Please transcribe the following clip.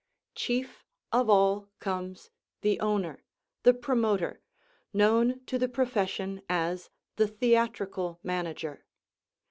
Chief of all comes the owner, the promoter, known to the profession as the Theatrical Manager.